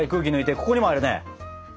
ここにもあるね。